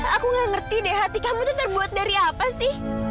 aku gak ngerti deh hati kamu tuh terbuat dari apa sih